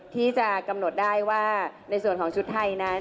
ที่จะกำหนดได้ว่าในส่วนของชุดไทยนั้น